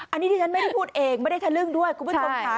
อันนี้ที่ฉันไม่ได้พูดเองไม่ได้ทะลึ่งด้วยคุณผู้ชมค่ะ